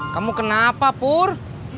kamu kenapa pur